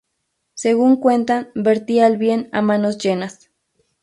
Según cuentan vertía el bien a manos llenas.